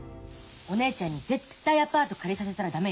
お姉ちゃんに絶対アパート借りさせたら駄目よ。